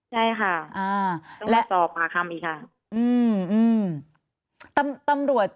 ใช่ค่ะต้องสอบปากคำอีกค่ะ